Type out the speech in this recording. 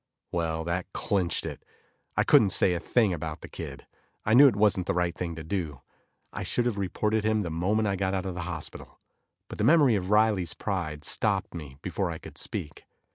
Well, that clinched it; I couldn't say a thing about the kid. I knew it wasn't the right thing to do; I should have reported him the moment I got out of the hospital, but the memory of Riley's pride stopped me before I could speak.